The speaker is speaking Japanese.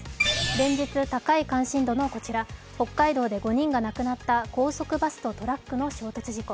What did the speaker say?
連日高い関心度のこちら、北海道で５人が亡くなった高速バスとトラックの衝突事故。